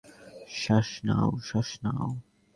শ্বাস নাও, শ্বাস নাও।